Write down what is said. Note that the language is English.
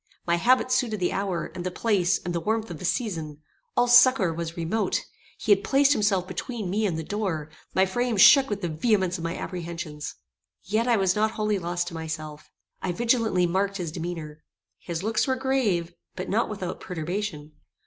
My habit suited the hour, and the place, and the warmth of the season. All succour was remote. He had placed himself between me and the door. My frame shook with the vehemence of my apprehensions. Yet I was not wholly lost to myself: I vigilantly marked his demeanour. His looks were grave, but not without perturbation.